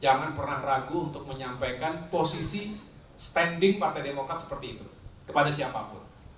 jangan pernah ragu untuk menyampaikan posisi standing partai demokrat seperti itu kepada siapapun